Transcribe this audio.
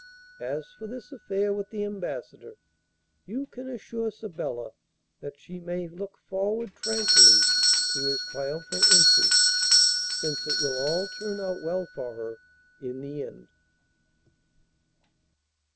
As for this affair with the Ambassador, you can assure Sabella that she may look forward tranquilly to his triumphal entry, since it will all turn out well for her in the end.